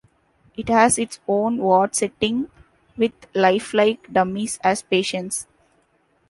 It has its own ward setting with lifelike dummies as patients.